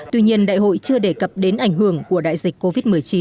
tuy nhiên đại hội chưa đề cập đến ảnh hưởng của đại dịch covid một mươi chín